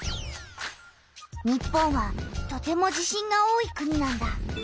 日本はとても地震が多い国なんだ。